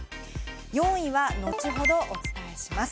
４位は後ほどお伝えします。